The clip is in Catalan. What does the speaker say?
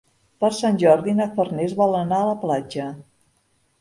Per Sant Jordi na Farners vol anar a la platja.